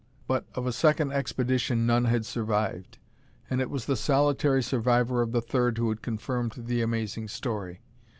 But of a second expedition none had survived, and it was the solitary survivor of the third who had confirmed the amazing story.